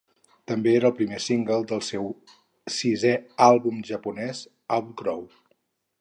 També era el primer single del seu sisè àlbum japonès, Outgrow.